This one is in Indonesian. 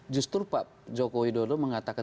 justru pak jokowi dulu mengatakan